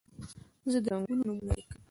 زه د رنګونو نومونه لیکم.